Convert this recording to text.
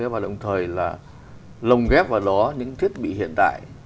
và đồng thời là lồng ghép vào đó những thiết bị hiện đại